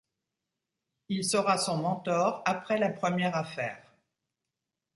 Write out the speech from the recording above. Il sera son mentor après la première affaire.